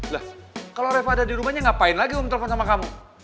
lah kalau reva ada di rumahnya ngapain lagi om telpon sama kamu